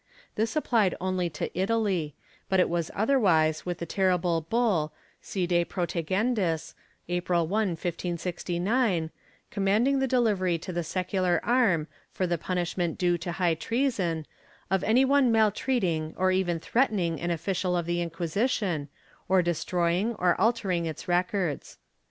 This applied only to Italy, but it was otherwise with the terrible bull Si de protegendis, April 1, 1569, commanding the delivery to the secular arm, for the punishment due to high treason, of any one maltreating or even threatening an official of the Inquisition or destroying or altering its records.